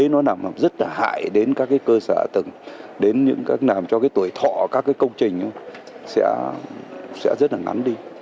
nó nằm rất là hại đến các cơ sở tầng đến làm cho cái tuổi thọ các cái công trình sẽ rất là ngắn đi